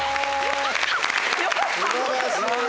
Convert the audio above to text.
素晴らしい。